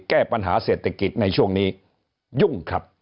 แก้ปัญหาเศรษฐกิจในช่วงนี้ยุ่งครับ